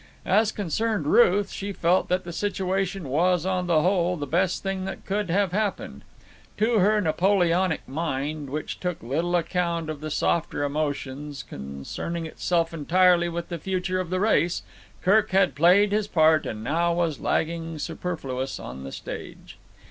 As concerned Ruth, she felt that the situation was, on the whole, the best thing that could have happened. To her Napoleonic mind, which took little account of the softer emotions, concerning itself entirely with the future of the race, Kirk had played his part and was now lagging superfluous on the stage.